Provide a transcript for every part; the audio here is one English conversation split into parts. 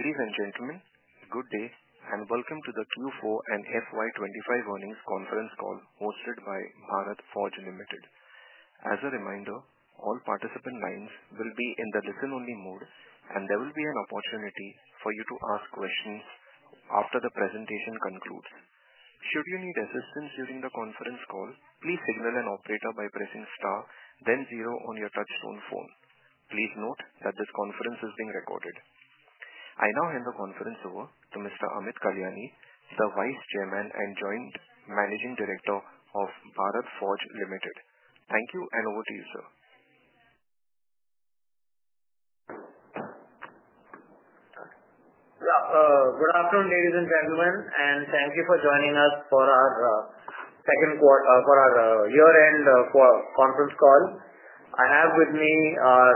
Ladies and gentlemen, good day and welcome to the Q4 and FY25 earnings conference call hosted by Bharat Forge Limited. As a reminder, all participant lines will be in the listen-only mode, and there will be an opportunity for you to ask questions after the presentation concludes. Should you need assistance during the conference call, please signal an operator by pressing star then zero on your touchstone phone. Please note that this conference is being recorded. I now hand the conference over to Mr. Amit Kalyani, the Vice Chairman and Joint Managing Director of Bharat Forge Limited. Thank you, and over to you, sir. Good afternoon, ladies and gentlemen, and thank you for joining us for our second quarter year-end conference call. I have with me our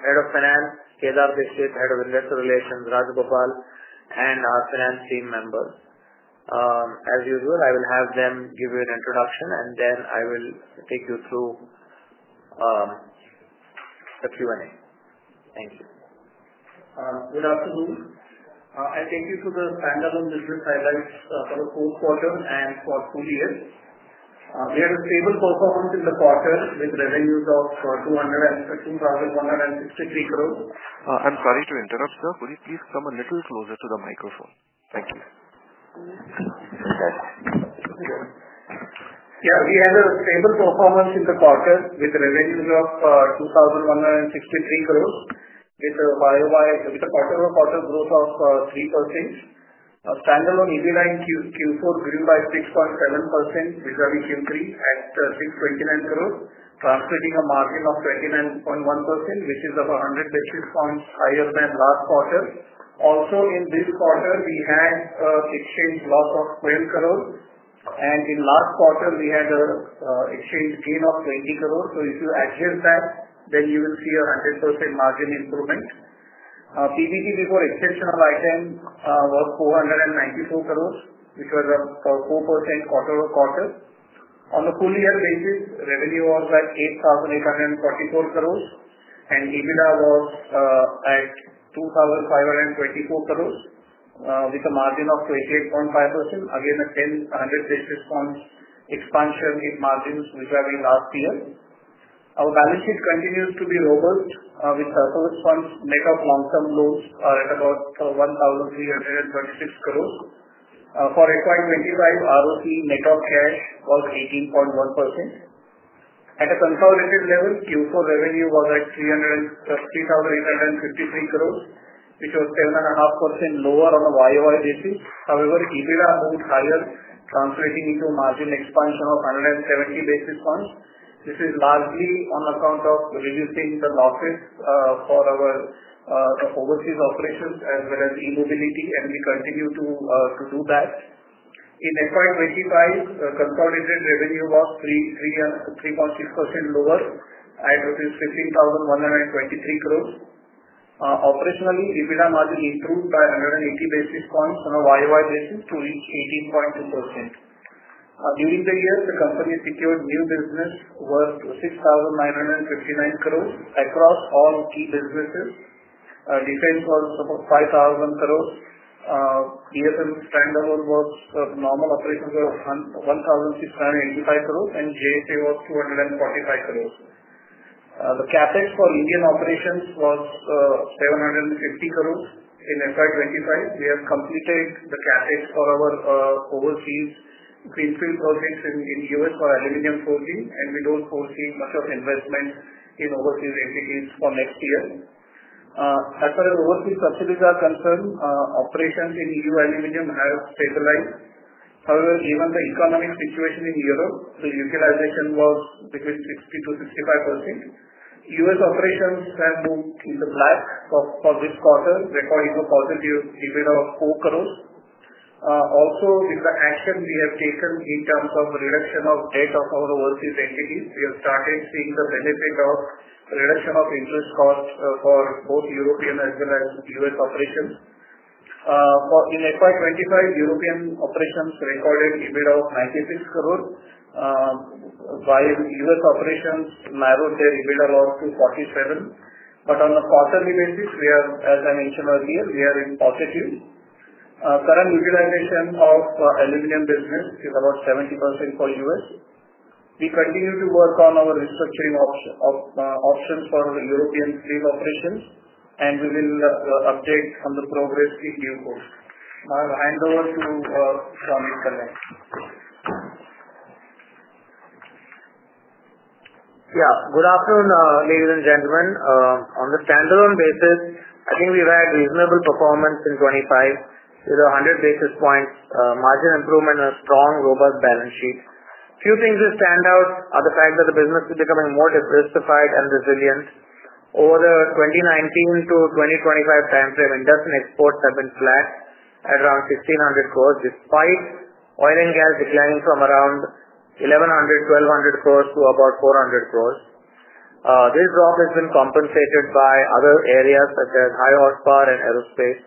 Head of Finance, Kedar Dixit, Head of Investor Relations, Rajhagopalan, and our Finance Team member. As usual, I will have them give you an introduction, and then I will take you through the Q&A. Thank you. Good afternoon. I thank you for the stand-up of this highlights for the fourth quarter and for school years. We had a stable performance in the quarter with revenues of 2,163 crore. I'm sorry to interrupt, sir. Please keep someone a little closer to the microphone. Thank you. Yeah, we had a stable performance in the quarter with revenues of 2,163 crores, with a personal quarter growth of 3%. Stand-alone EV lines used Q4 grew by 6.7%, which is very Q3, and INR 629 crores. After getting a margin of 29.1%, which is about 136 basis points higher than last quarter. Also, in this quarter, we had an exchange loss of 12 crores, and in last quarter, we had an exchange gain of 20 crores. If you address that, then you will see a 100% margin improvement. PBT for exceptional items was 494 crores, which was a 4% quarter-over-quarter. On a full-year basis, revenue was at 8,144 crores, and EBITDA was at 2,524 crores, with a margin of 28.5%, again a 10-100 basis point expansion in margins which we have in last year. Our balance sheet continues to be robust, with corporate funds network long-term loans at about INR 1,336 crore. For acquired ROCE network, ROCE was 18.1%. At a consolidated level, Q4 revenue was at 35,853 crore, which was 7.5% lower on a year-over-year basis. However, EBITDA was higher, translating into a margin expansion of 170 basis points, which is largely on account of reducing the losses for our overseas operations as well as in India, and we continue to do that. In acquired ROCE files, consolidated revenue was 3.6% lower, at 15,123 crore. Operationally, EBITDA margin improved by 180 basis points on a year-over-year basis, to 18.2%. During the year, the company secured new business worth 6,959 crore across all key businesses. Defense was about 5,000 crore. ESM stand-alone was normal operations worth 1,685 crore, and GS Auto was 245 crore. The CAPEX for Indian operations was 750 crore. In FY25, we have completed the CAPEX for our overseas greenfield projects in the U.S. for our Canadian forging, and we don't foresee much of investment in overseas entities for next year. As per overseas subsidiaries are concerned, operations in Europe and region have stabilized. However, given the economic situation in Europe, the utilization was between 60%-65%. U.S. operations have moved into the black for this quarter, therefore it was positive in the 4 crores. Also, with the action we have taken in terms of reduction of debt of our overseas entities, we have started seeing the benefit of reduction of interest costs for both European as well as U.S. operations. In FY25, European operations recorded a revenue of 96 crores, while U.S. operations narrowed their revenue around to 47 crores. But on a quarterly basis, as I mentioned earlier, we are in positive. Current utilization of aluminum business is about 70% for U.S.. We continue to work on our restructuring of options for European steel operations, and we will update on the progress in due course. I'll hand over to. Yeah, good afternoon, ladies and gentlemen. On the stand-alone basis, I think we've had reasonable performance in 2025 with 100 basis points margin improvement and a strong, robust balance sheet. A few things that stand out are the fact that the business is becoming more diversified and resilient. Over the 2019 to 2025 timeframe, industrial exports have been flat at around 1,600 crore, despite oil and gas declining from around 1,100-1,200 crore to about 400 crore. This drop has been compensated by other areas such as high horsepower and aerospace.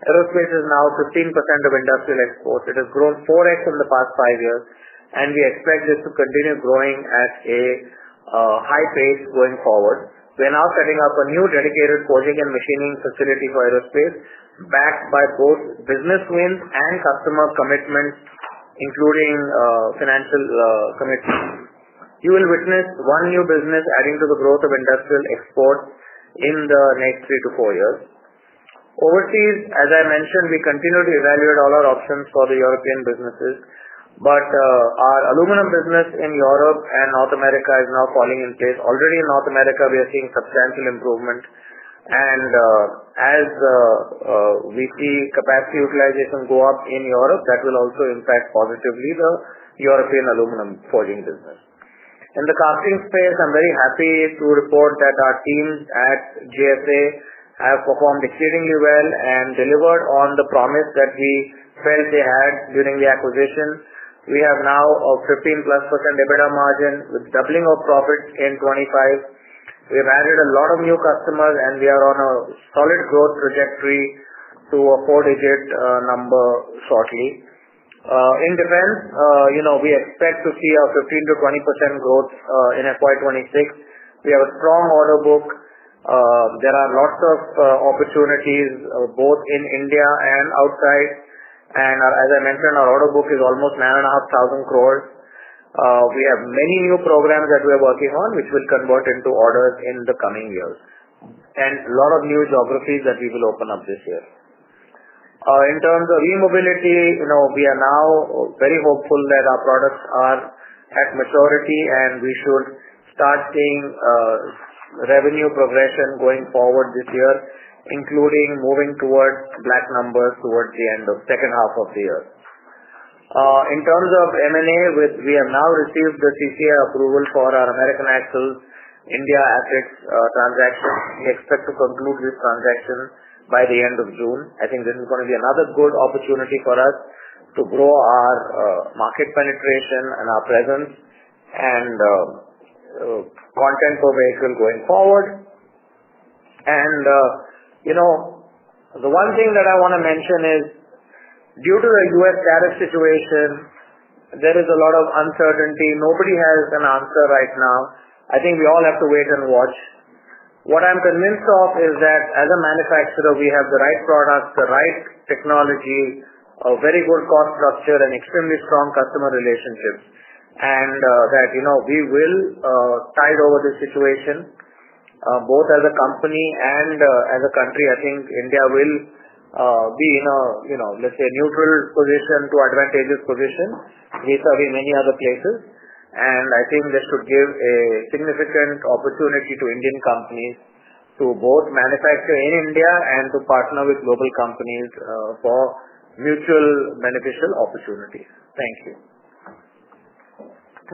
Aerospace is now 15% of industrial exports. It has grown 4X in the past five years, and we expect this to continue growing at a high pace going forward. We are now setting up a new dedicated forging and machining facility for aerospace, backed by both business wins and customer commitments, including financial commitments. You will witness one new business adding to the growth of industrial exports in the next three to four years. Overseas, as I mentioned, we continue to evaluate all our options for the European businesses, but our aluminum business in Europe and North America is now falling in place. Already in North America, we are seeing substantial improvement, and as the VP capacity utilization goes up in Europe, that will also impact positively the European aluminum forging business. In the casting space, I'm very happy to report that our teams at GS Auto have performed exceedingly well and delivered on the promise that we felt they had during the acquisition. We have now a 15% plus EBITDA margin with doubling of profit in 2025. We have added a lot of new customers, and we are on a solid growth trajectory to a four-digit number shortly. In defense, we expect to see a 15%-20% growth in FY2026. We have a strong order book. There are lots of opportunities both in India and outside. As I mentioned, our order book is almost 9,500 crore. We have many new programs that we are working on, which will convert into orders in the coming years, and a lot of new geographies that we will open up this year. In terms of e-mobility, we are now very hopeful that our products are at maturity, and we should start seeing revenue progression going forward this year, including moving toward black numbers towards the end of the second half of the year. In terms of M&A, we have now received the TCA approval for our American Axle India assets transaction. We expect to conclude this transaction by the end of June. I think this is going to be another good opportunity for us to grow our market penetration and our presence and content formation going forward. The one thing that I want to mention is, due to the U.S. tariff situation, there is a lot of uncertainty. Nobody has an answer right now. I think we all have to wait and watch. What I'm convinced of is that as a manufacturer, we have the right products, the right technology, a very good cost structure, and extremely strong customer relationships, and that we will tide over the situation both as a company and as a country. I think India will be in a, let's say, neutral position to advantageous position, least of the many other places. I think this could give a significant opportunity to Indian companies to both manufacture in India and to partner with global companies for mutually beneficial opportunities. Thank you.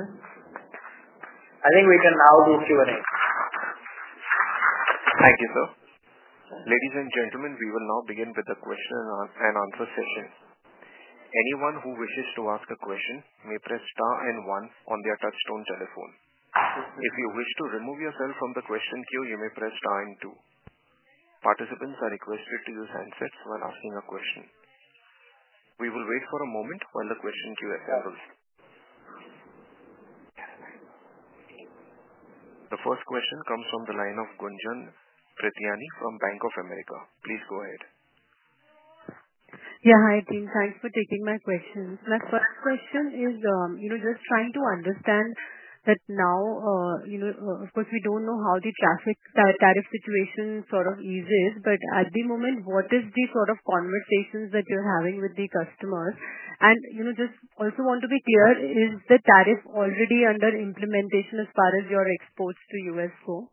I think we can now go to Q&A. Thank you, sir. Ladies and gentlemen, we will now begin with the question and answer sessions. Anyone who wishes to ask a question may press star and one on their touchstone telephone. If you wish to remove yourself from the question queue, you may press star and two. Participants are requested to use handsets while asking a question. We will wait for a moment while the question queue assembles. The first question comes from the line of Gunjan Prityani from Bank of America. Please go ahead. Yeah, hi, team. Thanks for taking my question. My first question is just trying to understand that now, of course, we do not know how the tariff situation sort of eases, but at the moment, what is the sort of conversations that you are having with the customers? I just also want to be clear, is the tariff already under implementation as far as you are exposed to U.S. food?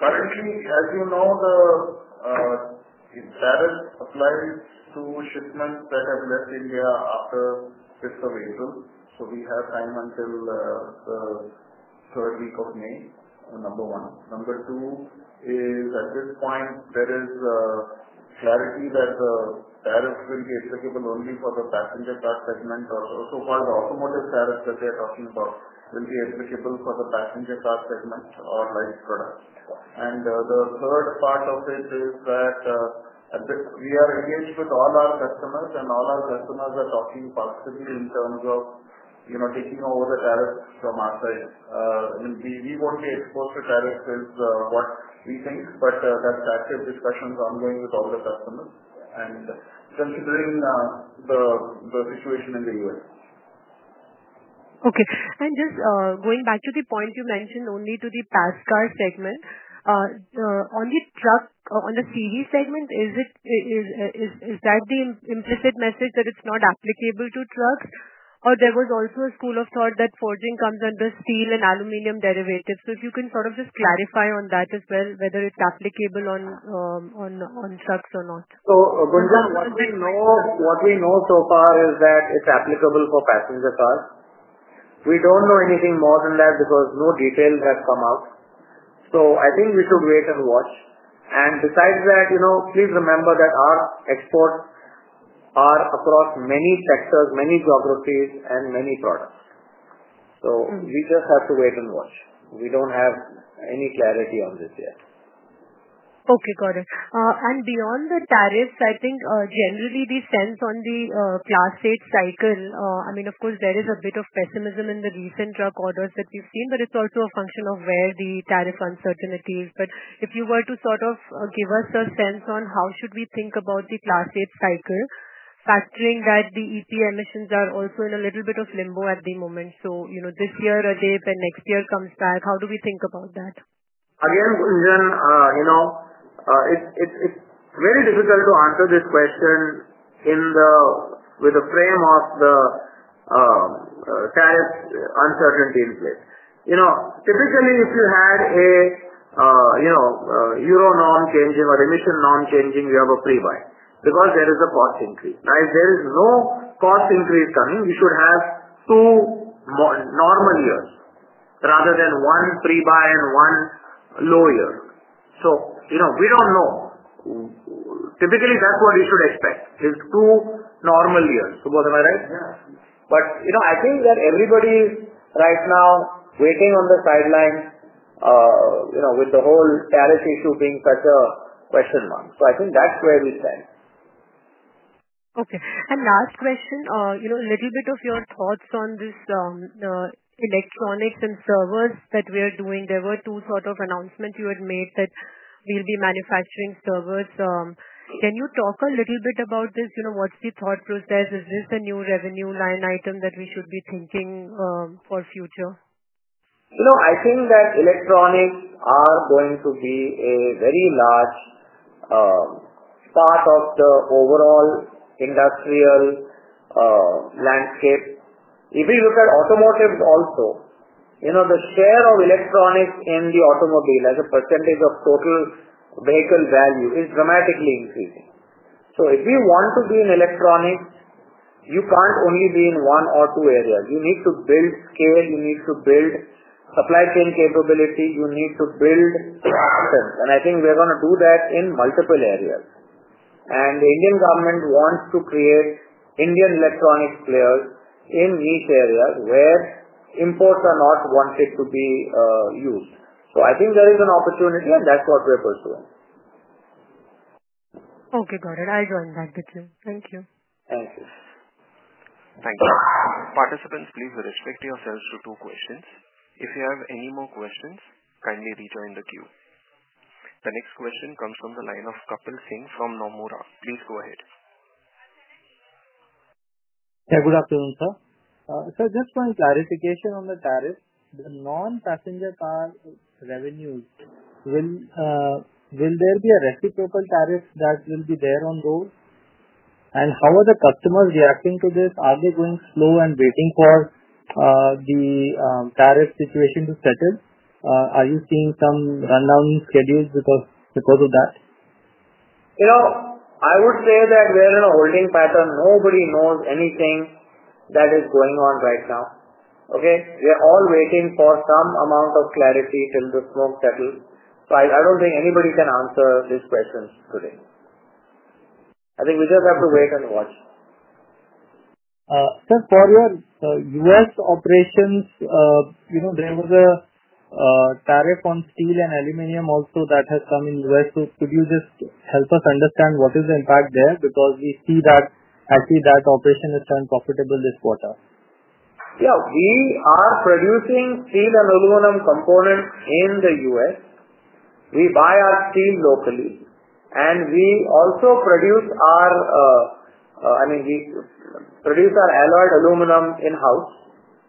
Currently, as you know, the tariff applies to shipments that have left India after fiscal reason. We have time until the third week of May, number one. Number two is, at this point, there is clarity that the tariff will be applicable only for the passenger car segment, or so far the automotive tariff that we are talking about will be applicable for the passenger car segment or rice products. The third part of it is that we are engaged with all our customers, and all our customers are talking positively in terms of taking over the tariff from our side. We won't export the tariffs as what we think, but that's after the discussions ongoing with all the customers and considering the situation in the U.S. Okay. Just going back to the point you mentioned only to the pass car segment, on the truck, on the CV segment, is that the implicit message that it's not applicable to trucks? There was also a school of thought that forging comes under steel and aluminum derivatives. If you can sort of just clarify on that as well, whether it's applicable on trucks or not. Gunjan, what we know so far is that it's applicable for passenger cars. We don't know anything more than that because no details have come out. I think we should wait and watch. Besides that, please remember that our exports are across many sectors, many geographies, and many products. We just have to wait and watch. We don't have any clarity on this yet. Okay, got it. Beyond the tariffs, I think generally the sense on the class eight cycle, I mean, of course, there is a bit of pessimism in the recent truck orders that we've seen, but it's also a function of where the tariff uncertainty is. If you were to sort of give us a sense on how should we think about the class eight cycle, factoring that the EP emissions are also in a little bit of limbo at the moment. This year a dip, and next year comes back. How do we think about that? Again, Gunjan, it's very difficult to answer this question with the frame of the tariff uncertainty in place. Typically, if you had a euro norm changing or emission norm changing, you have a pre-buy because there is a cost increase. If there is no cost increase coming, you should have two normal years rather than one pre-buy and one low year. We don't know. Typically, that's what we should expect, is two normal years. Am I right? Yeah. I think that everybody right now is waiting on the sidelines with the whole tariff issue being such a question mark. I think that's where we stand. Okay. Last question, a little bit of your thoughts on this electronics and servers that we are doing. There were two sort of announcements you had made that we'll be manufacturing servers. Can you talk a little bit about this? What's the thought process? Is this the new revenue line item that we should be thinking for future? No, I think that electronics are going to be a very large part of the overall industrial landscape. If you look at automotive also, the share of electronics in the automobile as a percentage of total vehicle value is dramatically increasing. If you want to be in electronics, you can't only be in one or two areas. You need to build scale. You need to build supply chain capability. You need to build. I think we're going to do that in multiple areas. The Indian government wants to create Indian electronics players in these areas where imports are not wanted to be used. I think there is an opportunity, and that's what we're pursuing. Okay, got it. I joined that with you. Thank you. Thank you. Thank you. Participants, please restrict yourselves to two questions. If you have any more questions, kindly return to the queue. The next question comes from the line of Kapil Singh from Nomura. Please go ahead. Yeah, good afternoon, sir. Just for clarification on the tariff, the non-passenger car revenues, will there be a reciprocal tariff that will be there on those? How are the customers reacting to this? Are they going slow and waiting for the tariff situation to settle? Are you seeing some rundown schedules because of that? I would say that we're in a holding pattern. Nobody knows anything that is going on right now. Okay? We are all waiting for some amount of clarity till the smoke settles. I don't think anybody can answer these questions today. I think we just have to wait and watch. Sir, for your U.S.operations, there was a tariff on steel and aluminum also that has come in U.S.. .Could you just help us understand what is the impact there? Because we see that, actually, that operation has turned profitable this quarter. Yeah, we are producing steel and aluminum components in the U.S.. We buy our steel locally, and we also produce our—I mean, we produce our alloyed aluminum in-house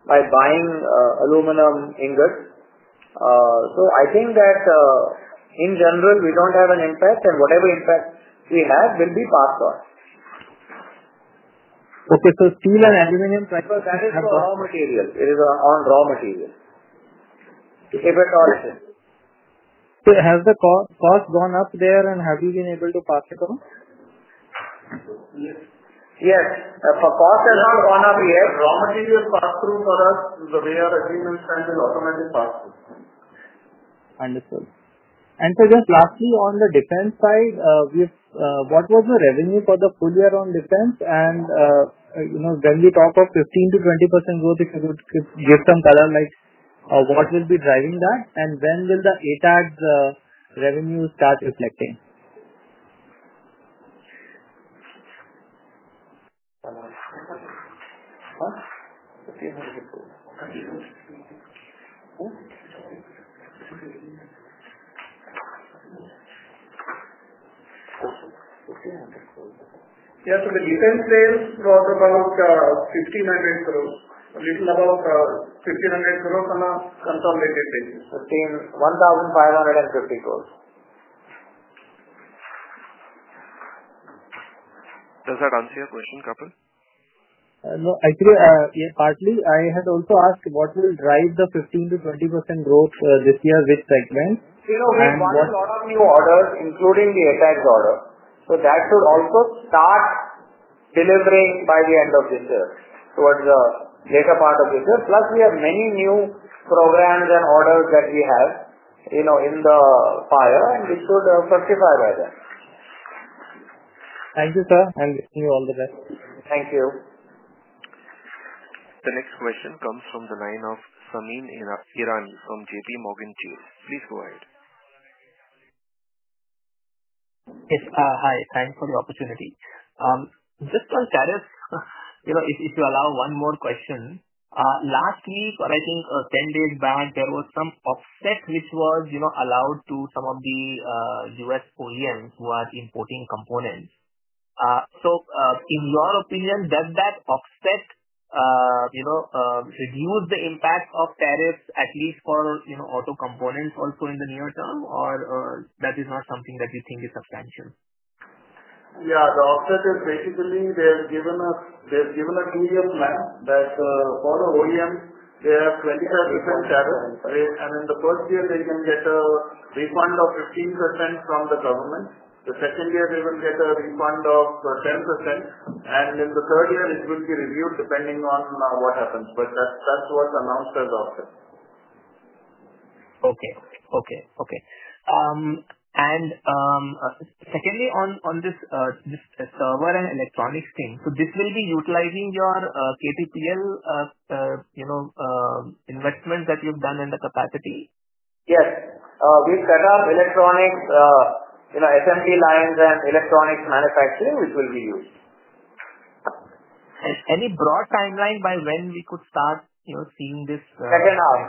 by buying aluminum ingots. I think that in general, we do not have an impact, and whatever impact we have will be passed on. Okay, so steel and aluminum— That is raw material. It is on raw material. If at all, it is. Has the cost gone up there, and have you been able to pass it on? Yes. For cost has not gone up here. Raw material is passed through for us. The way our agreements stand is automatic pass-through. Understood. Sir, just lastly, on the defense side, what was the revenue for the full year on defense? Ganji, talk of 15%-20% growth if you could give some color, like what will be driving that? When will the ATAG's revenue start reflecting? Yes, in the defense players, we're talking about 1,500 crore. We're talking about 1,500 crore on our consolidated basis, INR 1,550 crore. Does that answer your question, Kapil? No, actually, partly, I had also asked what will drive the 15-20% growth this year with sidelines? You know, we've gone through a lot of new orders, including the ATAG's order. That will also start delivering by the end of this year. It is a bigger part of it. Plus, we have many new programs and orders that we have in the fire, and it could fructify by that. Thank you, sir, and wishing you all the best. Thank you. The next question comes from the line of Sameen Irani from JP Morgan. Please go ahead. Yes, hi. Thanks for the opportunity. Just on tariffs, if you allow one more question, last week, or I think 10 days back, there was some offset which was allowed to some of the U.S. OEMs who are importing components. So in your opinion, does that offset reduce the impact of tariffs, at least for auto components, also in the near term, or that is not something that you think is substantial? Yeah, the offset is basically they've given us a two-year plan that all the OEMs, they have 25% tariff rate, and in the first year, they can get a refund of 15% from the government. The second year, they will get a refund of 10%, and in the third year, it will be reviewed depending on what happens. That is what the announcement is. Okay. Okay. Okay. Secondly, on this server and electronics team, this will be utilizing your KTPL investment that you've done in the capacity? Yes. We set up electronics, SMP lines, and electronics manufacturing, which will be used. Any broad timeline by when we could start seeing this? Second half.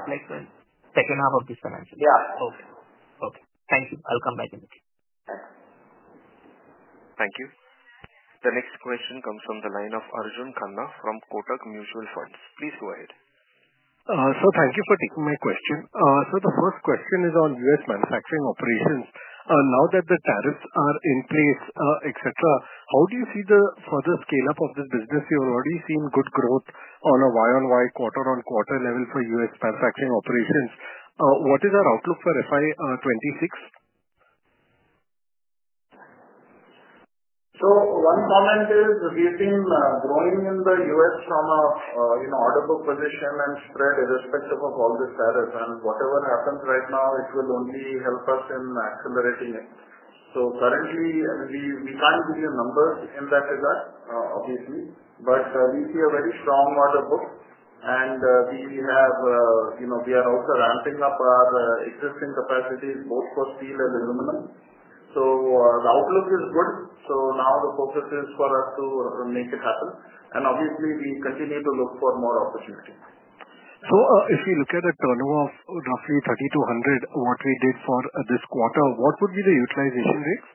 Second half of this financial year. Yeah. Okay. Okay. Thank you. I'll come back to you. Thank you. The next question comes from the line of Arjun Khanna from Kotak Mutual Funds. Please go ahead. Thank you for taking my question. The first question is on U.S. manufacturing operations. Now that the tariffs are in place, etc., how do you see the further scale-up of the business? You've already seen good growth on a year-on-year, quarter-on-quarter level for US manufacturing operations. What is our outlook for FY 2026? One comment is we've been growing in the U.S. from an audible position and spread irrespective of all the status. Whatever happens right now, it will only help us in accelerating it. Currently, we can't give you numbers in that regard, obviously, but we see a very strong order book, and we are also ramping up our existing capacities, both for steel and aluminum. The outlook is good. Now the focus is for us to make it happen. Obviously, we continue to look for more opportunities. If we look at a turnover of roughly 3,200 crore, what we did for this quarter, what would be the utilization rates?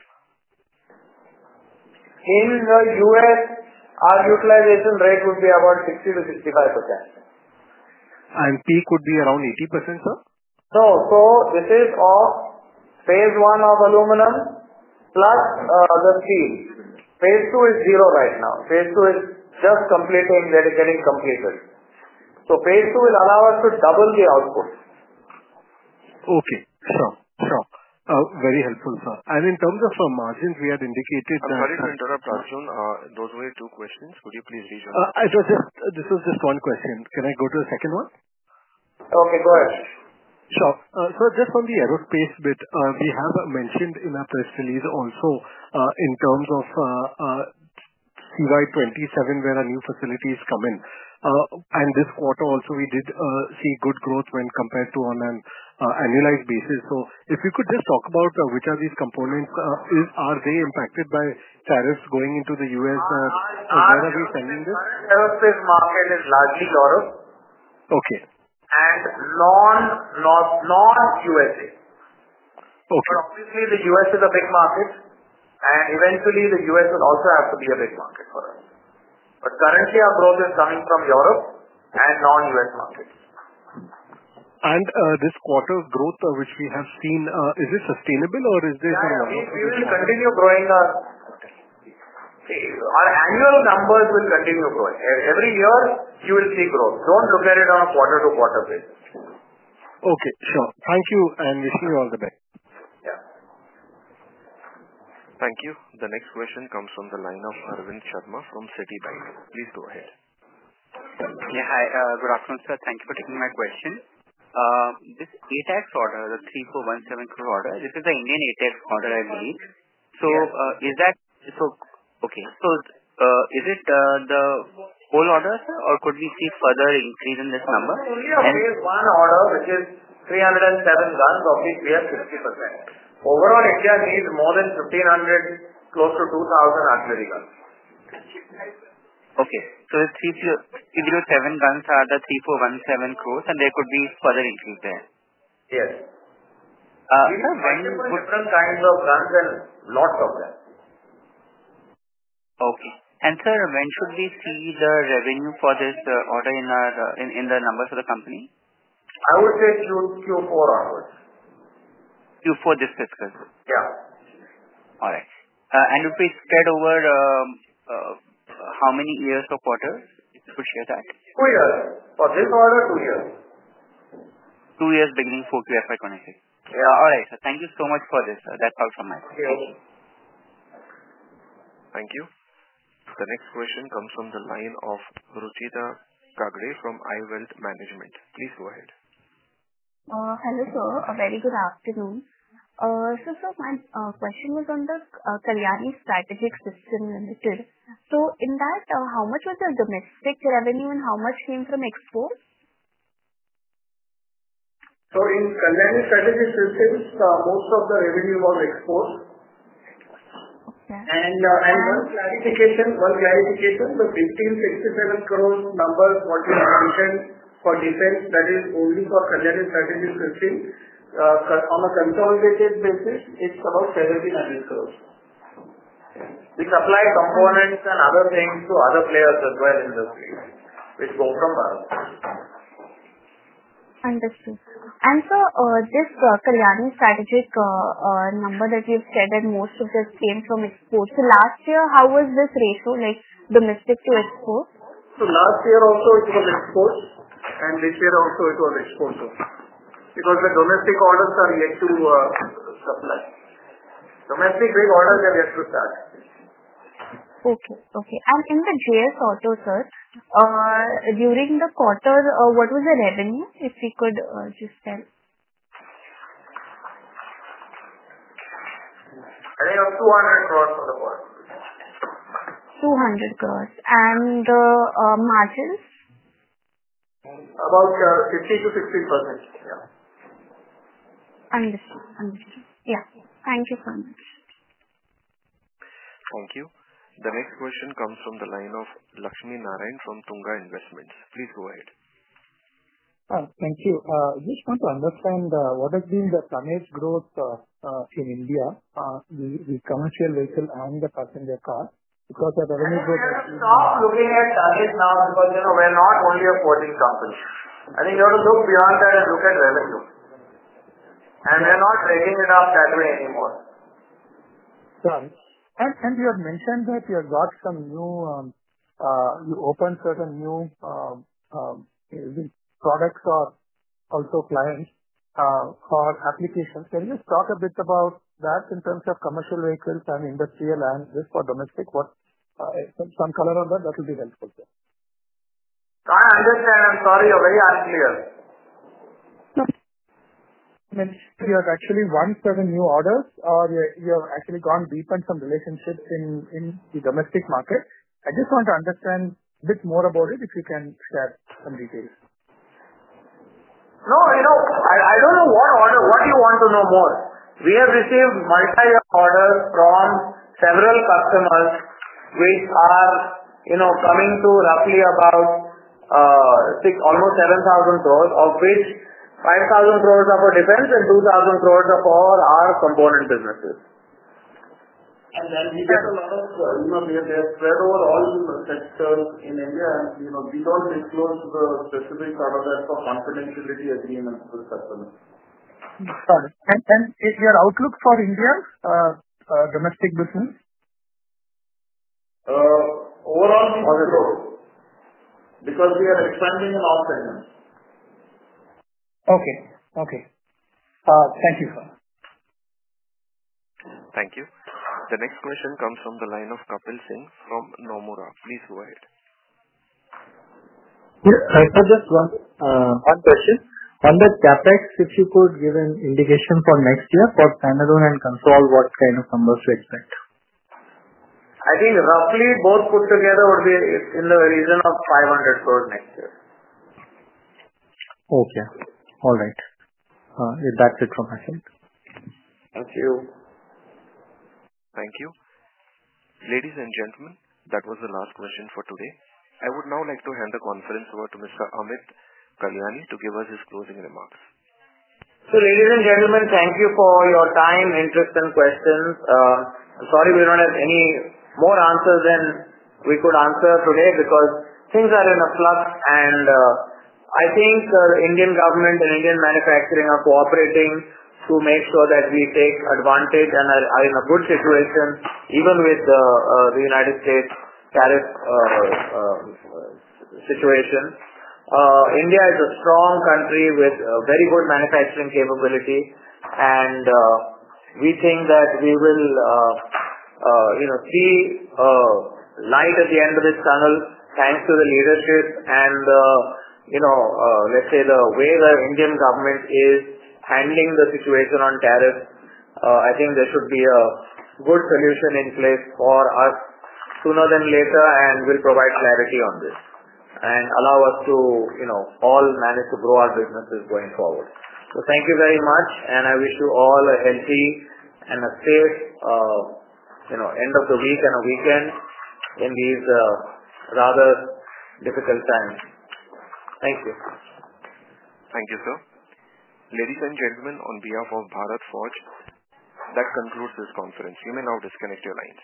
In the U.S., our utilization rate would be about 60-65%. Peak would be around 80%, sir? No. This is phase one of aluminum plus the steel. Phase two is zero right now. Phase two is just completing, that is getting completed. Phase two will allow us to double the output. Okay. So. Very helpful, sir. In terms of margins, we had indicated. Sorry to interrupt, Arjun, those were your two questions. Would you please reshare? This was just one question. Can I go to the second one? Okay, go ahead. Sure. Just on the aerospace bit, we have mentioned in our questionnaire also in terms of UI 27, where our new facilities come in. This quarter also, we did see good growth when compared to on an annualized basis. If you could just talk about which are these components, are they impacted by tariffs going into the U.S., where are we sending this? Aerospace market is largely Europe. Okay. And non-USA. Okay. Obviously, the U.S. is a big market, and eventually, the U.S. will also have to be a big market for us. Currently, our growth is coming from Europe and non-U.S. markets. This quarter's growth, which we have seen, is it sustainable, or is this? We will continue growing. Our annual numbers will continue growing. Every year, you will see growth. Do not look at it on a quarter-to-quarter basis. Okay. Sure. Thank you, and wishing you all the best. Thank you. The next question comes from the line of Arvind Sharma from Seti Dhanyan. Please go ahead. Yeah, hi. Good afternoon, sir. Thank you for taking my question. This ATAG's order, the 3,417 crore order, this is the Indian ATAG's order, I believe. Is that okay? Is it the whole order, sir, or could we see further increase in this number? We have phase one order, which is 307 guns. Obviously, we have 50%. Overall, India needs more than 1,500, close to 2,000 artillery guns. Okay. So it's 307 guns are the 3,417 crores, and there could be further increase there? Yes. When you? Different kinds of guns and lots of them. Okay. Sir, when should we see the revenue for this order in the numbers for the company? I would say Q4. Q4 this fiscal year? Yeah. All right. It will be spread over how many years or quarters? Could you share that? Two years. For this order, two years. Two years beginning for Q4 FY27. Yeah. All right. Thank you so much for this. That's all from my side. Thank you. Thank you. The next question comes from the line of Ruchita Kagde from IWELT Management. Please go ahead. Hello, sir. A very good afternoon. Sir, my question will be on the Kalyani Strategic Systems Limited. In that, how much was the domestic revenue and how much came from exports? In Kalyani Strategic Systems, most of the revenue was exports. One clarification, the 1,567 crore number, 40% for defense, that is only for Kalyani Strategic Systems. On a consolidated basis, it is about INR 70 million crores. It is applied components and other things to other players as well in the field, which go from us. Understood. Sir, this Kalyani Strategic number that you've said that most of it came from exports, last year, how was this ratio? Like domestic to export? Last year also, it was exports, and this year also, it was exports too. Because the domestic orders are yet to supply. Domestic orders are yet to start. Okay. Okay. In the GS Auto, sir, during the quarter, what was the revenue, if you could just tell? I think of 200 crore. 200 crores. The margins? About 50-60%. Understood. Understood. Yes. Thank you so much. Thank you. The next question comes from the line of Lakshmi Narayan from Tunga Investments. Please go ahead. Thank you. Just want to understand, what has been the tonnage growth in India, the commercial vehicle and the passenger car? Because the revenue growth. Stop looking at target now because we're not only a forging company. I think you have to look beyond that and look at revenue. And we're not trading with our salary anymore. Sorry. You had mentioned that you had got some new, you opened certain new products or also clients or applications. Can you just talk a bit about that in terms of commercial vehicles and industrial and this for domestic? Some color on that, that will be helpful. I understand. I'm sorry, you're very unclear. I mean, you have actually won certain new orders, or you've actually gone deepened some relationships in the domestic market? I just want to understand a bit more about it if you can share some details. No, I don't know one order. What do you want to know more? We have received multi-order from several customers which are coming to roughly about almost 7,000 crore, of which 5,000 crore are for defense and 2,000 crore are for our component businesses. We get a lot of they're spread over all the sectors in India. We don't disclose the specific orders for confidentiality agreements with customers. Is your outlook for India, domestic business? Overall, we're good. Because we are expanding in all segments. Okay. Okay. Thank you, sir. Thank you. The next question comes from the line of Kapil Singh from Nomura. Please go ahead. Yes. I have just one question. Under CAPEX, if you could give an indication for next year for panel and control, what kind of numbers to expect? I think roughly both put together would be in the region of 500 crore next year. Okay. All right. That's it from my side. Thank you. Thank you. Ladies and gentlemen, that was the last question for today. I would now like to hand the conference over to Mr. Amit Kalyani to give us his closing remarks. Ladies and gentlemen, thank you for your time, interest, and questions. I'm sorry we don't have any more answers than we could answer today because things are in a flux. I think the Indian government and Indian manufacturing are cooperating to make sure that we take advantage and are in a good situation even with the U.S. tariff situation. India is a strong country with very good manufacturing capability, and we think that we will see light at the end of this tunnel thanks to the leadership. Let's say the way the Indian government is handling the situation on tariff, I think there should be a good solution in place for us sooner than later, and will provide clarity on this and allow us to all manage to grow our businesses going forward. Thank you very much, and I wish you all a healthy and a safe end of the week and a weekend in these rather difficult times. Thank you. Thank you, sir. Ladies and gentlemen, on behalf of Bharat Forge, that concludes this conference. You may now disconnect your lines.